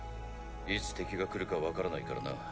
いつ敵が来るか分からないからな。